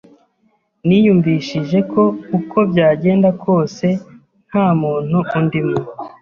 Niyumvishije ko uko byagenda kose nta muntu undimo!